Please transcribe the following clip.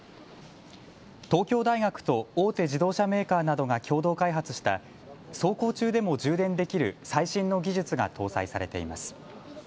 東京大学と大手自動車メーカーなどが共同開発した走行中でも充電できる最新の技術が搭載されています。